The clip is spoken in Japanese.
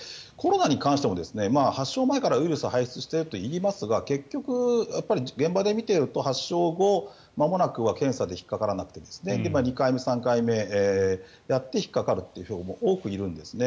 コロナに関しても発症前からウイルスを排出しているといいますが結局、現場で見ていると発症後まもなくは検査で引っかからなくて２回目、３回目でやって引っかかるという方も多くいるんですね。